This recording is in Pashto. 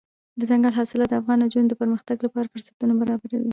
دځنګل حاصلات د افغان نجونو د پرمختګ لپاره فرصتونه برابروي.